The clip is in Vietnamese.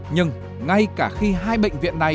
nhưng ngay cả khi hai bệnh viện này